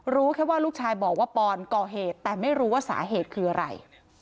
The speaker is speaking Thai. รู้แค่ว่าลูกชายบอกว่าปอนก่อเหตุแต่ไม่รู้ว่าสาเหตุคืออะไร